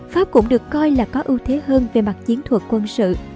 pháp cũng được coi là có ưu thế hơn về mặt chiến thuật quân sự